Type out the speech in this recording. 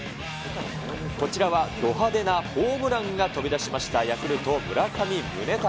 こちらはど派手なホームランが飛び出しましたヤクルト、村上宗隆。